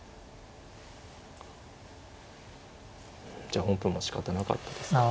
じゃあ本譜もしかたなかったですか。